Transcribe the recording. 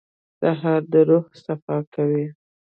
سهار د روح صفا کوي.